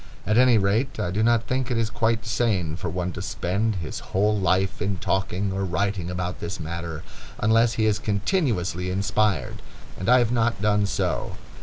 At any rate, I do not think it is quite sane for one to spend his whole life in talking or writing about this matter, unless he is continuously inspired, and I have not done so.